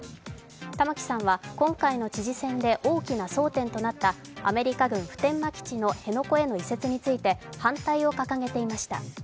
玉城さんは今回の知事選で大きな争点となったアメリカ軍普天間基地の辺野古への移設について反対を掲げていました。